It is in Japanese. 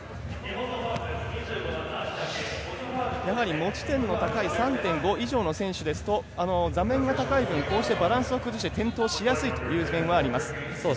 持ち点の高い３．５以上の選手ですと座面が高いぶんバランスを崩して転倒しやすいというところがあります。